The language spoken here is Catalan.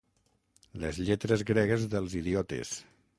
Les lletres gregues dels idiotes.